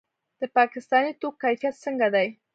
د پاکستاني توکو کیفیت څنګه دی؟